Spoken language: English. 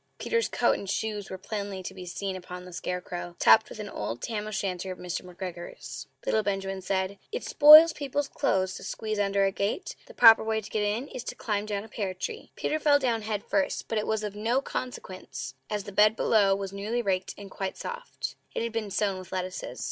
Peter's coat and shoes were plainly to be seen upon the scarecrow, topped with an old tam o' shanter of Mr. McGregor's. Little Benjamin said: "It spoils people's clothes to squeeze under a gate; the proper way to get in is to climb down a pear tree." Peter fell down head first; but it was of no consequence, as the bed below was newly raked and quite soft. It had been sown with lettuces.